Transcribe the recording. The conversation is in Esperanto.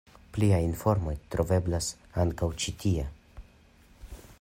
Pliaj informoj troveblas ankaŭ ĉi tie.